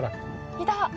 いた！